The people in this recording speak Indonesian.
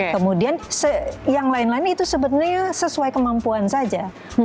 kemudian yang lain lain itu sebenarnya sesuai kemampuan saja